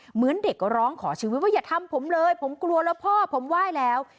เหมือนเด็กร้องขอชีวิตว่าอย่าทำผมเลยผมกลัวแล้วพ่อผมไหว้แล้ว